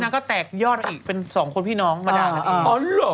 นางก็แตกยอดอีกเป็นพี่น้องมาด่ายกันเอง